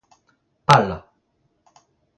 pal